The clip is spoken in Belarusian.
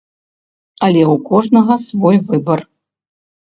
Але ў кожнага свой выбар.